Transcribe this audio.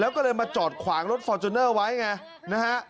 แล้วก็เลยมาจอดขวางรถฟอร์จูเนอร์ไว้ไงนะฮะ